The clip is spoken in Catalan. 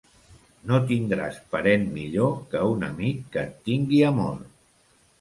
No tindràs parent millor que un amic que et tingui amor.